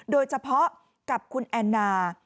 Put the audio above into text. โดยเฉพาะกับคุณแอนนา